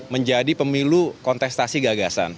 menjadi pemilu kontestasi gagasan